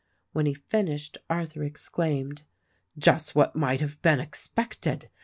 When he finished Arthur exclaimed, "Just what might have been expected !